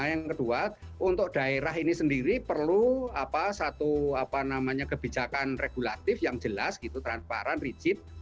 yang kedua untuk daerah ini sendiri perlu satu kebijakan regulatif yang jelas gitu transparan rigid